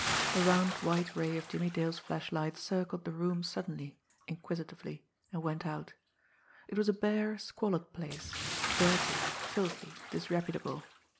The round, white ray of Jimmie Dale's flashlight circled the room suddenly, inquisitively and went out. It was a bare, squalid place, dirty, filthy, disreputable.